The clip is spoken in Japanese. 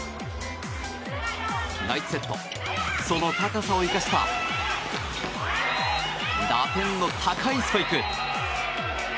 第１セット、その高さを生かした打点の高いスパイク。